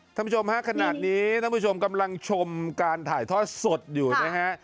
ท่านผู้ชมฮะขนาดนี้ท่านผู้ชมกำลังชมการถ่ายทอดสดอยู่นะฮะ